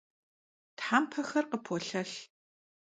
Thempexer khıpolhelh.